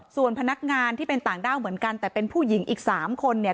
ส่วนพนักงานที่เป็นต่างด้าวเหมือนกันแต่เป็นผู้หญิงอีก๓คนเนี่ย